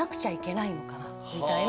みたいな